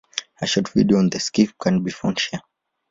A short video on the skiff can be found here.